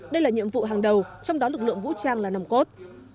đây là nhiệm vụ hàng đầu trong đó lực lượng vũ trang là nằm cốt